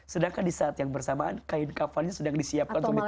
sedangkan di saat yang bersamaan kain kafalnya sedang disiapkan untuk ditendun